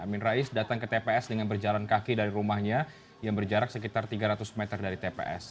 amin rais datang ke tps dengan berjalan kaki dari rumahnya yang berjarak sekitar tiga ratus meter dari tps